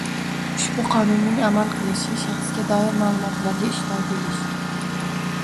Ushbu Qonunning amal qilishi shaxsga doir ma’lumotlarga ishlov berish